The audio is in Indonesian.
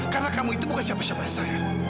karena kamu itu bukan siapa siapa yang saya